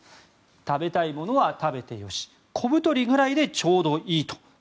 「食べたいものは食べてよし小太りくらいでちょうどいい」。